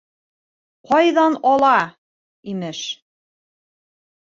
— Ҡайҙан ала, имеш.